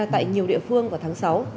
tại nhiều địa phương vào tháng sáu